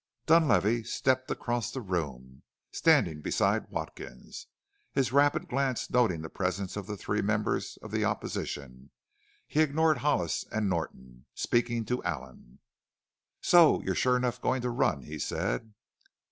Dunlavey stepped across the room, standing beside Watkins, his rapid glance noting the presence of the three members of the opposition. He ignored Hollis and Norton, speaking to Allen. "So you're sure enough going to run?" he said.